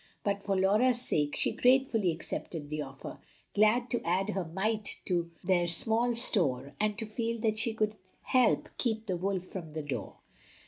But for Laura's sake she gratefully accepted the offer, glad to add her mite to their small store, and to feel that she could help keep the wolf from the door.